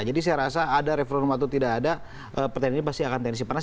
jadi saya rasa ada referendum atau tidak ada pertandingan ini pasti akan tensi panas